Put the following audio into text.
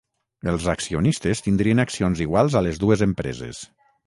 Els accionistes tindrien accions iguals a les dues empreses.